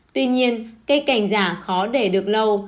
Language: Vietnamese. tuy nhiên cây cảnh giả khó để được lâu